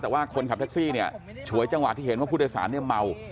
แต่ว่าคนขับแท็กซี่เนี่ยฉวยจังหวะที่เห็นว่าผู้โดยสารเนี่ยเมา